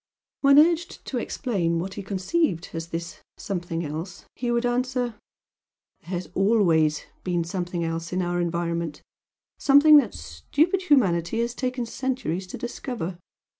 When urged to explain what he conceived as this "something else," he would answer "There has always been 'something else' in our environment, something that stupid humanity has taken centuries to discover.